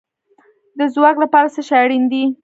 د ځواک لپاره څه شی اړین دی؟